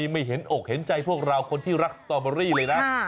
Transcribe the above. ไม่เห็นอกเห็นใจพวกเราคนที่รักสตอเบอรี่เลยนะ